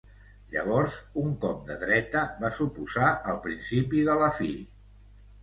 Llavors, un cop de dreta va suposar el principi de la fi.